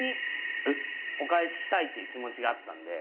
お返ししたいという気持ちがあったんで。